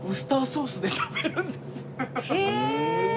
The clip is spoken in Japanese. へえ！